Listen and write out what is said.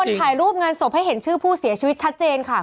โรคพูลผ่ายรูปงานสบให้เสร็จผู้เสียชีวิตชัดเจนค่ะ